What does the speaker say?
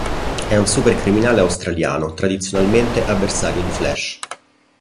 È un supercriminale australiano, tradizionalmente avversario di Flash.